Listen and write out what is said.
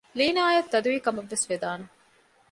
ލީނާއަށް ތަދުވީ ކަމަށްވެސް ވެދާނެ